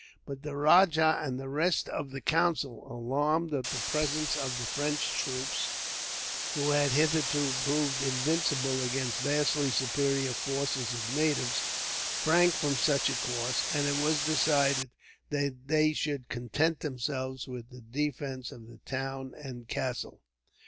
But the rajah and the rest of the council, alarmed at the presence of the French troops, who had hitherto proved invincible against vastly superior forces of natives, shrank from such a course; and it was decided that they should content themselves with the defence of the town and castle.